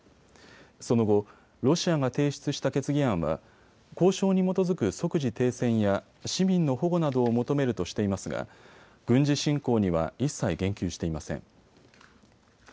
その後、ロシアが提出した決議案は交渉に基づく即時停戦や市民の保護などを求めるとしていますが軍事侵攻には一切言及していません。